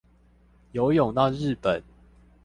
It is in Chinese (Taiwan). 游泳到日本